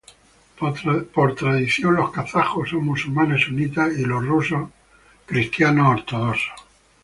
Por tradición, los kazajos son musulmanes sunitas, y los rusos son rusos ortodoxos.